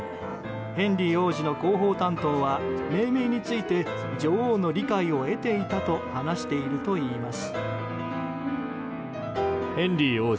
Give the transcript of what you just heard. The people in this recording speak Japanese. ヘンリー王子の広報担当は命名について女王の理解を得ていたと話しているといいます。